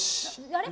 あれ？